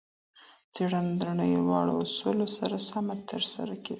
څېړنه د نړیوالو اصولو سره سمه ترسره کیږي.